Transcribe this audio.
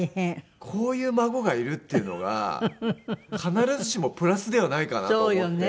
こういう孫がいるっていうのが必ずしもプラスではないかなと思って。